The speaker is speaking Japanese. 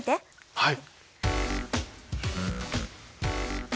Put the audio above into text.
はい。